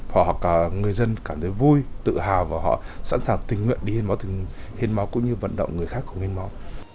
họ hoặc người dân cảm thấy vui tự hào và họ sẵn sàng tình nguyện đi hiến máu tình hiến máu cũng như vận động người khác không hiến máu